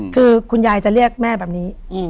คือคุณยายจะเรียกแม่แบบนี้